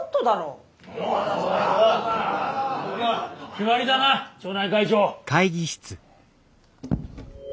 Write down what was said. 決まりだな町内会長。